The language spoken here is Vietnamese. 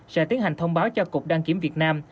sẽ tiến hành thông báo cho cục đăng kiểm việt nam